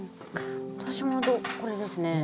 私もこれですね。